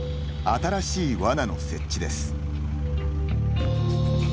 新しいワナの設置です。